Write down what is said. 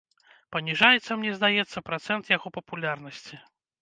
Паніжаецца, мне здаецца, працэнт яго папулярнасці.